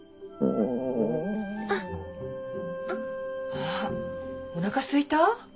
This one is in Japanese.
あっおなかすいた？